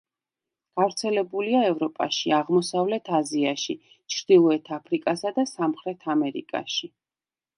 გავრცელებულია ევროპაში, აღმოსავლეთ აზიაში, ჩრდილოეთ აფრიკასა და სამხრეთ ამერიკაში.